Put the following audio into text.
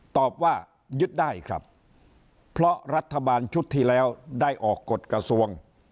ตอบว่ายึดได้ครับเพราะรัฐบาลชุดที่แล้วได้ออกกฎกระทรวง